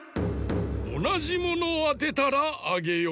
おなじものをあてたらあげよう。